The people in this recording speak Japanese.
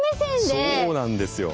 そうなんですよ。